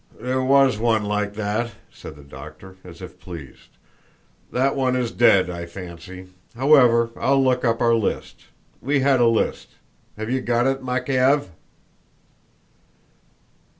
"There was one like that," said the doctor, as if pleased. "That one is dead, I fancy. However, I'll look up our list. We had a list. Have you got it, Makéev?"